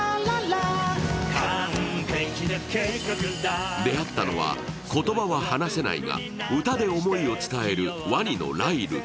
すると出会ったのは、言葉は話せないが歌で思いを伝えるワニのライル。